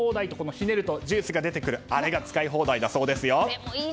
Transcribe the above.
ひねるとジュースが出てくるあれが使い放題だそうですよ。